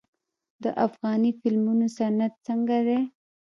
د افغاني فلمونو صنعت څنګه دی؟